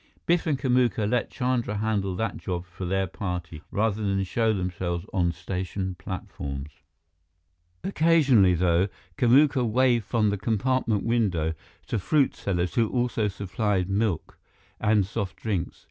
Biff and Kamuka let Chandra handle that job for their party, rather than show themselves on station platforms. Occasionally, though, Kamuka waved from the compartment window to fruit sellers who also supplied milk and soft drinks.